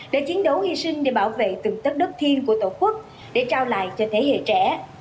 để chiến đấu hy sinh để bảo vệ từng tất đất thiên của tổ quốc để trao lại cho thế hệ trẻ